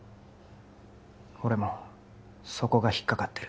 俺もそこが引っかかってる